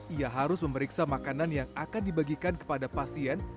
ia harus memeriksa makanan yang akan dibagikan kepada pasien